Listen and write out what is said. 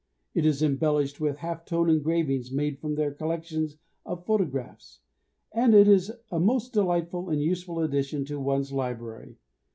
It is embellished with half tone engravings made from their collections of photographs, and is a most delightful and useful addition to one's library.